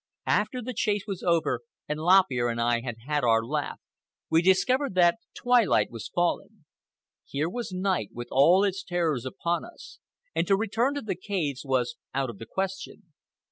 After the chase was over, and Lop Ear and I had had out our laugh, we discovered that twilight was falling. Here was night with all its terrors upon us, and to return to the caves was out of the question.